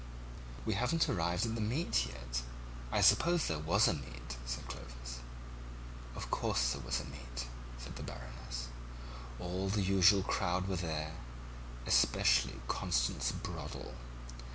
"We haven't arrived at the meet yet. I suppose there was a meet," said Clovis. "Of course there was a meet," said the Baroness; all the usual crowd were there, especially Constance Broddle.